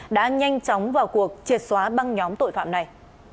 đã nhanh chóng vào cuộc triệt xóa băng nhóm tội phạm này